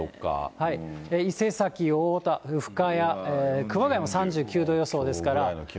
伊勢崎、太田、深谷、熊谷も３９度予想ですから。